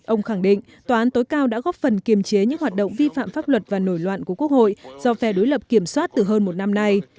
ông khẳng định tòa án tối cao đã góp phần kiềm chế những hoạt động vi phạm pháp luật và nổi loạn của quốc hội do phe đối lập kiểm soát từ hơn một năm nay